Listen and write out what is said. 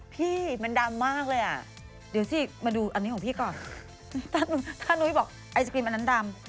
พี่มันดำมากเลยอ่ะเดี๋ยวสิมาดูอันนี้ของพี่ก่อนถ้านุ้ยบอกไอศกรีมอันนั้นดำ